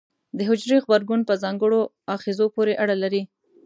د حجرې غبرګون په ځانګړو آخذو پورې اړه لري.